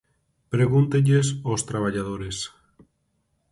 Pregúntelles aos traballadores.